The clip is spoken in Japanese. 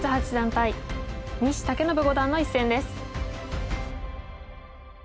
対西健伸五段の一戦です。